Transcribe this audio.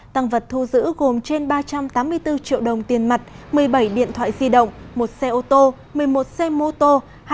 tăng vật thu giữ gồm trên ba trăm tám mươi bốn triệu đồng tiền mặt một mươi bảy điện thoại di động một xe ô tô một mươi một xe mô tô